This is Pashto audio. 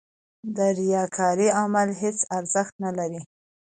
د ریاکارۍ عمل هېڅ ارزښت نه لري.